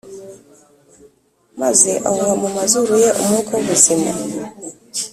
maze ahuha mu mazuru ye umwuka w’ubuzima